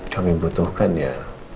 kami butuhkan ya